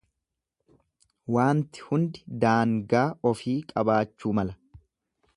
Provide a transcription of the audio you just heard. Waanti hundi daangaa ofii qabaachuu mala.